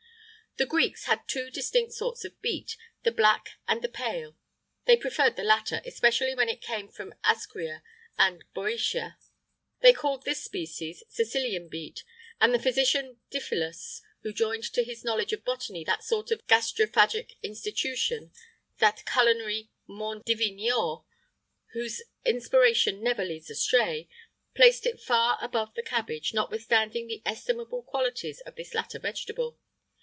The Greeks had two distinct sorts of beet the black and the pale; they preferred the latter,[IX 26] especially when it came from Ascrea in Bœotia.[IX 27] They called this species Sicilian beet; and the physician Diphilus who joined to his knowledge of botany that sort of gastrophagic intuition, that culinary mens divinior, whose inspiration never leads astray placed it far above the cabbage, notwithstanding the estimable qualities of this latter vegetable.